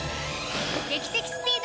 劇的スピード！